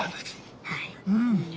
はい。